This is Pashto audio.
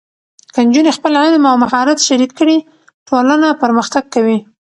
که نجونې خپل علم او مهارت شریک کړي، ټولنه پرمختګ کوي.